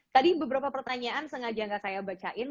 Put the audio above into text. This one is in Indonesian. tadi beberapa pertanyaan sengaja gak saya bacain